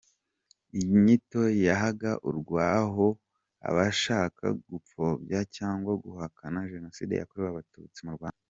Iyi nyito yahaga urwaho abashaka gupfobya cyangwa guhakana Jenoside yakorewe Abatutsi mu Rwanda.